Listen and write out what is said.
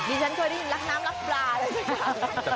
ฉันเคยได้ยินรักน้ำรักปลาเลยสิคะ